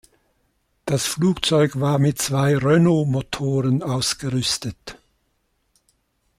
Das Flugzeug war mit zwei Renault-Motoren ausgerüstet.